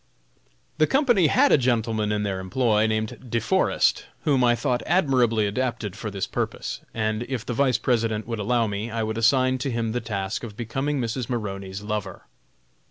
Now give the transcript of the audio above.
The company had a gentleman in their employ, named De Forest, whom I thought admirably adapted for this purpose, and if the Vice President would allow me, I would assign to him the task of becoming Mrs. Maroney's lover.